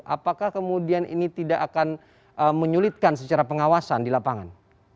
apakah kemudian ini tidak akan menyulitkan secara pengawasan di lapangan